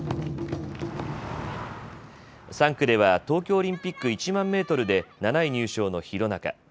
３区では東京オリンピック１万メートルで７位入賞の廣中。